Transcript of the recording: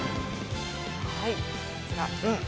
こちら。